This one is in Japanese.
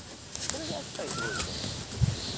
それがやっぱりすごいと思う。